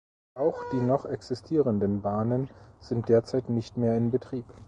Auch die noch existierenden Bahnen sind derzeit nicht mehr in Betrieb.